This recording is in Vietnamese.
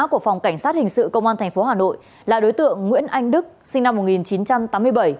của phòng cảnh sát hình sự công an tp hà nội là đối tượng nguyễn anh đức sinh năm một nghìn chín trăm tám mươi bảy